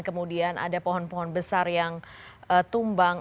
kemudian ada pohon pohon besar yang tumbang